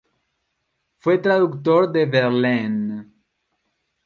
Fue traductor de Verlaine.